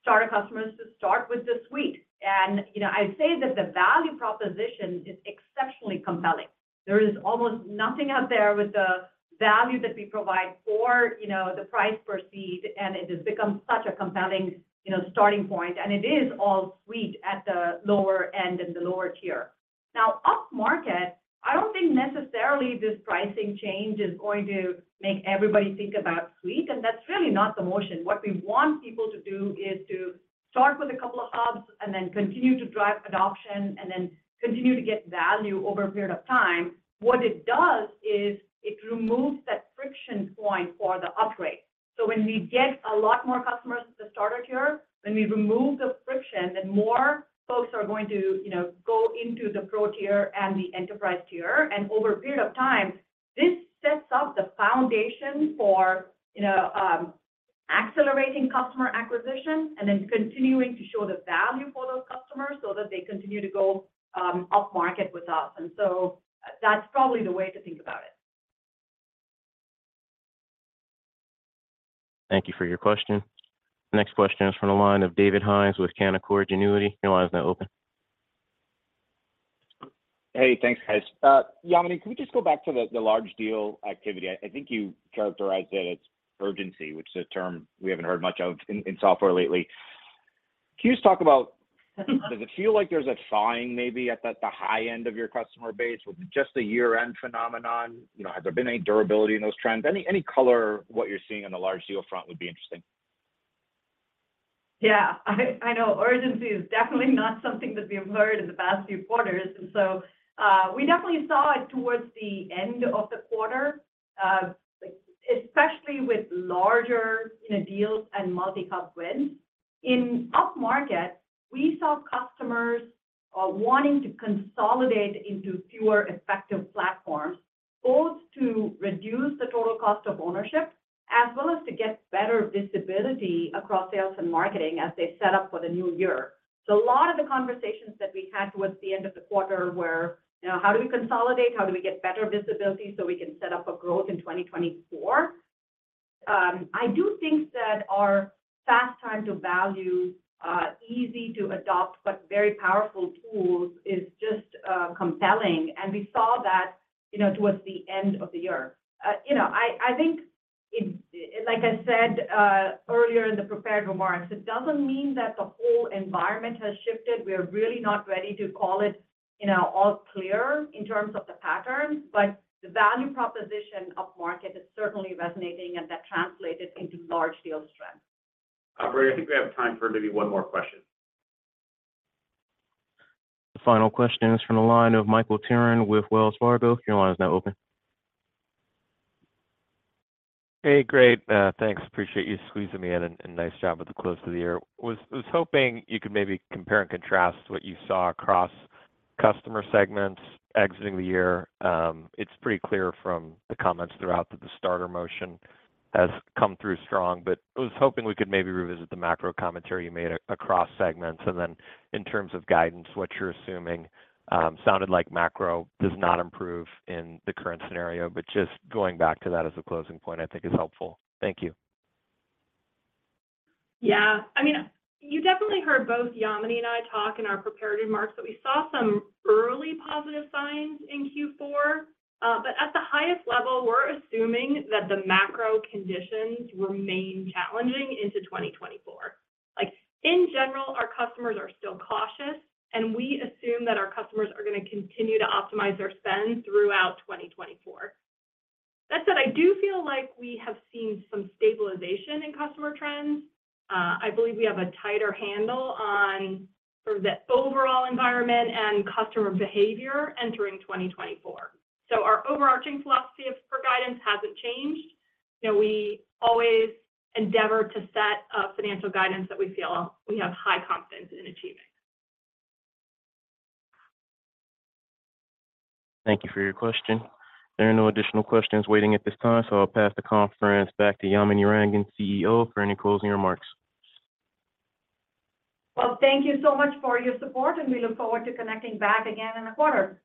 [SPEAKER 3] Starter customers to start with the suite. And, you know, I'd say that the value proposition is exceptionally compelling. There is almost nothing out there with the value that we provide for you, you know, the price per seat, and it has become such a compelling, you know, starting point, and it is all suite at the lower end and the lower tier. Now, upmarket, I don't think necessarily this pricing change is going to make everybody think about suite, and that's really not the motion. What we want people to do is to start with a couple of hubs and then continue to drive adoption, and then continue to get value over a period of time. What it does is it removes that friction point for the upgrade. So when we get a lot more customers at the Starter tier, when we remove the friction, then more folks are going to, you know, go into the pro tier and the Enterprise tier. And over a period of time, this sets up the foundation for, you know, accelerating customer acquisition and then continuing to show the value for those customers, so that they continue to go, upmarket with us. And so that's probably the way to think about it.
[SPEAKER 1] Thank you for your question. Next question is from the line of David Hynes with Canaccord Genuity. Your line is now open.
[SPEAKER 19] Hey, thanks, guys. Yamini, can we just go back to the large deal activity? I think you characterized it as urgency, which is a term we haven't heard much of in software lately. Can you just talk about does it feel like there's a thawing maybe at the high end of your customer base with just the year-end phenomenon? You know, has there been any durability in those trends? Any color what you're seeing on the large deal front would be interesting.
[SPEAKER 3] Yeah. I, I know urgency is definitely not something that we have heard in the past few quarters. And so, we definitely saw it towards the end of the quarter, especially with larger, you know, deals and multi-hub wins. In upmarket, we saw customers, wanting to consolidate into fewer effective platforms, both to reduce the total cost of ownership, as well as to get better visibility across sales and marketing as they set up for the new year. So a lot of the conversations that we had towards the end of the quarter were, you know, "How do we consolidate? How do we get better visibility so we can set up for growth in 2024?" I do think that our fast time to value, easy to adopt, but very powerful tools, is just compelling, and we saw that, you know, towards the end of the year. You know, I think it, like I said, earlier in the prepared remarks, it doesn't mean that the whole environment has shifted. We're really not ready to call it, you know, all clear in terms of the patterns, but the value proposition of market is certainly resonating, and that translated into large deal strength.
[SPEAKER 4] Operator, I think we have time for maybe one more question.
[SPEAKER 1] The final question is from the line of Michael Turrin with Wells Fargo. Your line is now open.
[SPEAKER 20] Hey, great. Thanks. Appreciate you squeezing me in, and nice job with the close of the year. I was hoping you could maybe compare and contrast what you saw across customer segments exiting the year. It's pretty clear from the comments throughout that the Starter motion has come through strong. But I was hoping we could maybe revisit the macro commentary you made across segments, and then in terms of guidance, what you're assuming. Sounded like macro does not improve in the current scenario, but just going back to that as a closing point, I think is helpful. Thank you.
[SPEAKER 4] Yeah. I mean, you definitely heard both Yamini and I talk in our prepared remarks that we saw some early positive signs in Q4. But at the highest level, we're assuming that the macro conditions remain challenging into 2024. Like, in general, our customers are still cautious, and we assume that our customers are gonna continue to optimize their spend throughout 2024. That said, I do feel like we have seen some stabilization in customer trends. I believe we have a tighter handle on sort of the overall environment and customer behavior entering 2024. So our overarching philosophy for guidance hasn't changed. You know, we always endeavor to set financial guidance that we feel we have high confidence in achieving.
[SPEAKER 1] Thank you for your question. There are no additional questions waiting at this time, so I'll pass the conference back to Yamini Rangan, CEO, for any closing remarks.
[SPEAKER 3] Well, thank you so much for your support, and we look forward to connecting back again in a quarter.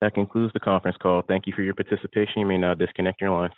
[SPEAKER 1] That concludes the conference call. Thank you for your participation. You may now disconnect your line.